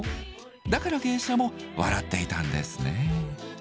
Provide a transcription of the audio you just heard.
だから芸者も笑っていたんですね。